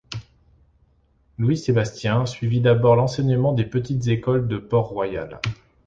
Louis-Sébastien suivit d'abord l'enseignement des Petites écoles de Port-Royal.